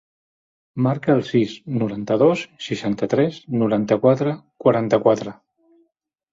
Marca el sis, noranta-dos, seixanta-tres, noranta-quatre, quaranta-quatre.